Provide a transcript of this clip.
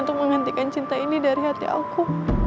untuk menghentikan cinta ini dari hati aku